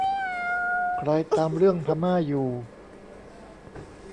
ใครตามเรื่อง พม่า อยู่